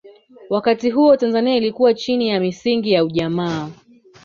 wakati huo tanzania ilikuwa chini ya misingi ya ujamaa